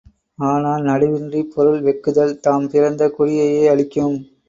ஆனால் நடுவின்றிப் பொருள் வெஃகுதல் தாம் பிறந்த குடியையே அழிக்கும்.